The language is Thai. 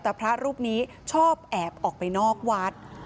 แต่พระรูปนี้ชอบแอบออกไปนอกวัด